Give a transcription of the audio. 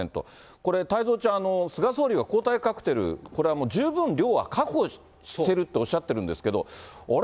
これ、太蔵ちゃん、菅総理は抗体カクテル、これはもう十分量は確保しているっておっしゃっているんですけれども、あれ？